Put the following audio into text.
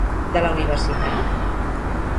De la universitat?